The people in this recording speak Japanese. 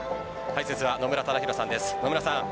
解説は野村忠宏さんです。